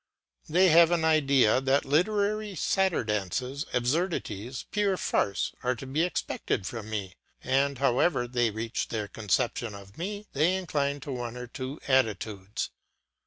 They have an idea that literary satyr dances, absurdities, pure farce, are to be expected from me, and, however they reach their conception of me, they incline to one of two attitudes.